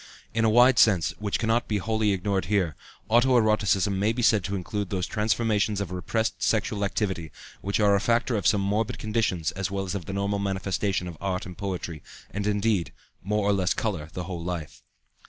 In a wide sense, which cannot be wholly ignored here, auto erotism may be said to include those transformations of repressed sexual activity which are a factor of some morbid conditions as well as of the normal manifestation of art and poetry, and, indeed, more or less color the whole of life.